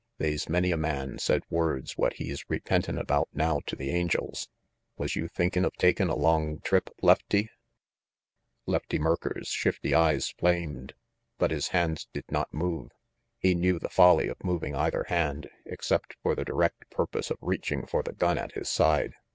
They's many a man said words what he's repentin' about now to the angels. Was you thinkin' of taking a long trip, Lefty?" RANGY PETE 45 Lefty Marker's shifty eyes flamed, but his hands did not move. He knew the folly of moving either hand, except for the direct purpose of reaching for the gun at his side.